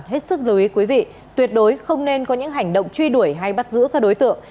hết sức lưu ý quý vị tuyệt đối không nên có những hành động truy đuổi hay bắt giữ các đối tượng